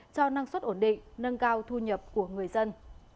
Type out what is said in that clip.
cho năng suất ổn định nâng cao thu nhập của người dân